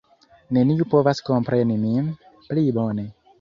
Neniu povas kompreni min pli bone.